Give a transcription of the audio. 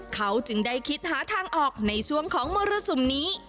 เขาจึงได้คิดหาทางออกในช่วงของมรสุมนี้